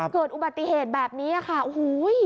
เกิดอุบัติเหตุแบบนี้ค่ะโอ้โห